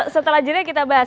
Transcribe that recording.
setelah jadinya kita bahas